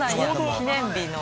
記念日の。